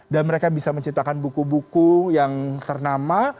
dan mereka bisa menciptakan buku buku yang ternama